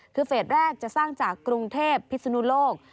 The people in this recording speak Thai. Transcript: คือเฟสแรกจะสร้างจากกรุงเทพพิศนุโลก